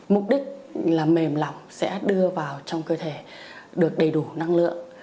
mục đích là mềm lỏng sẽ đưa vào trong cơ thể được đầy đủ năng lượng